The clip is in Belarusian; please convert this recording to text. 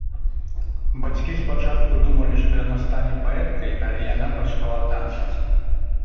Бацькі спачатку думалі, што яна стане паэткай, але яна пачала танчыць.